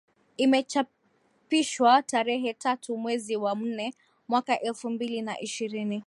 Imechapishwa tarehe tatu mwezi wa nne mwaka elfu mbili na ishirini